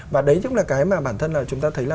và đấy cũng là cái mà bản thân là chúng ta thấy là